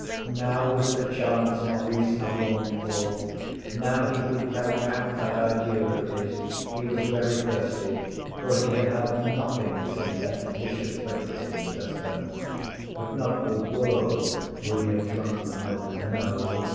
Now was the chance Maurice had longed for. Now he could carry out that idea of his. He was very thirsty, for he had had nothing since that delicious breakfast in the dust bin. But not for worlds would he have drunk the milk. No.